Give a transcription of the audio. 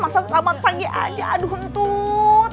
masa selamat pagi aja aduh untut